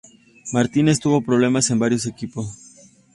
Martinez tuvo problemas en varios equipos.